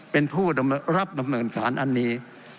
เป็นผู้รับดำเนินการอันนี้